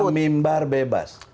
istilah imbar bebas